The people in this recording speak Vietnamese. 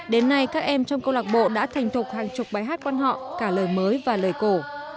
đến nay các em trong câu lạc bộ đã thành thục hàng chục bài hát quan họ cả lời mới và lời cổ